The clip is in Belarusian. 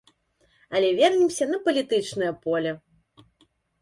Але вернемся на палітычнае поле.